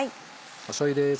しょうゆです。